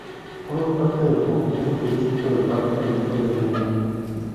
Forma parte del conjunto turístico del Parque Minero de La Unión.